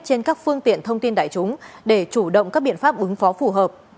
trên các phương tiện thông tin đại chúng để chủ động các biện pháp ứng phó phù hợp